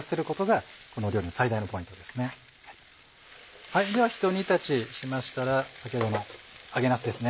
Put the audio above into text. ではひと煮立ちしましたら先ほどの揚げなすです